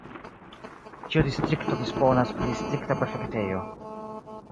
Ĉiu distrikto disponas pri distrikta prefektejo.